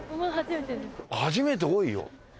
初めて多いよ。